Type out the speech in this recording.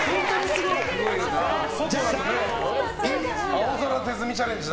青空手積みチャレンジ。